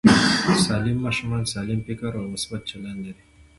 سالم ماشومان سالم فکر او مثبت چلند لري.